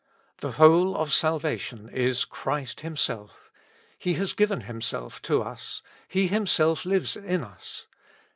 ^ The whole of salvation is Christ Himself : He has given Himiself to us ; He Himself lives in us.